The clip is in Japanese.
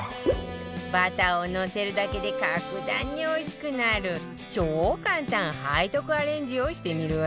バターをのせるだけで格段においしくなる超簡単背徳アレンジをしてみるわよ